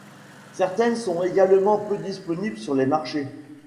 Certaines sont également peu disponibles sur les marchés.